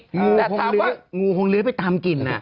งูคงเล้ยเป็นคงเล้ยไปทั้งกิน